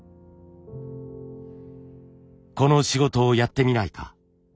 この仕事をやってみないか。